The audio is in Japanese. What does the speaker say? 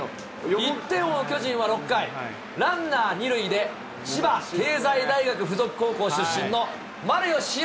１点を追う巨人は６回、ランナー２塁で、千葉経済大学付属高校出身の丸佳浩。